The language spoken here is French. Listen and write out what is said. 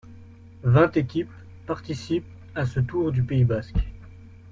Vingt équipes participent à ce Tour du Pays basque.